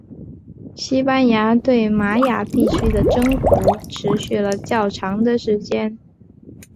西班牙对玛雅地区的征服持续了较长的时间。